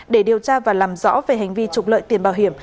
để điều tra và làm rõ về hành vi trục lợi tiền bảo hiểm